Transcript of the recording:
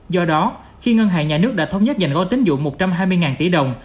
do đó khi ngân hàng nhà nước đã thống nhất dành gói tính dụng một trăm hai mươi tỷ đồng